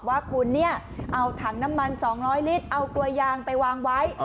ว่าคุณเนี่ยเอาถังน้ำมัน๒๐๐ลิตรเอากลวยยางไปวางไว้